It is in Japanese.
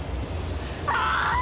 ああ！